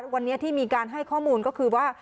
วันนี้ที่มีการให้ข้อมูลก็คือว่า